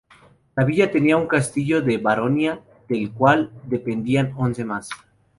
La villa tenía un castillo de baronía del cual dependían once más.